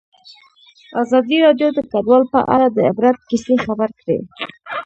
ازادي راډیو د کډوال په اړه د عبرت کیسې خبر کړي.